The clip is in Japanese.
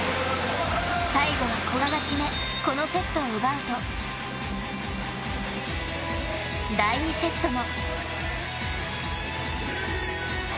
最後に古賀が決めこのセットを奪うと第２セットも。